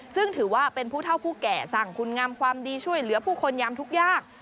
ซึ่งถือว่าเป็นผู้เท่าผู้แก่สั่งคุณงามความดีช่วยเหลือผู้คนยามทุกยาก